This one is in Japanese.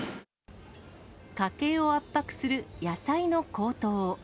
家計を圧迫する野菜の高騰。